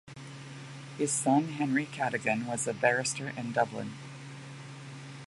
His son Henry Cadogan was a barrister in Dublin.